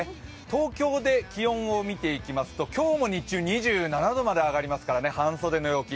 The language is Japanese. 東京で気温を見ていきますと今日の日中２７度まで上がりますから半袖の陽気。